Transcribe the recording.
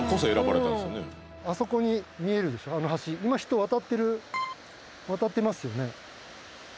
今人渡ってる渡ってますよね。